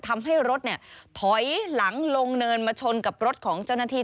ทำให้รถถอยหลังลงเนินมาชนกับรถของเจ้าหน้าที่